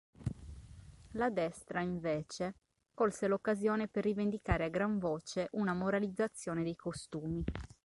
La Destra, invece, colse l'occasione per rivendicare a gran voce una moralizzazione dei costumi.